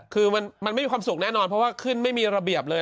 คือมันไม่มีความสุขแน่นอนเพราะว่าขึ้นไม่มีระเบียบเลย